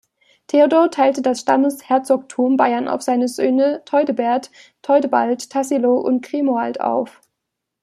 Theodo teilte das Stammesherzogtum Baiern auf seine Söhne Theudebert, Theudebald, Tassilo und Grimoald auf.